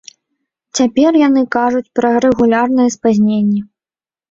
Цяпер яны кажуць пра рэгулярныя спазненні.